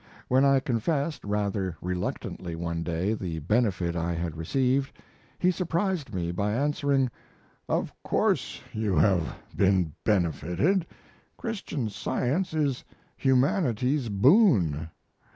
When I confessed, rather reluctantly, one day, the benefit I had received, he surprised me by answering: "Of course you have been benefited. Christian Science is humanity's boon.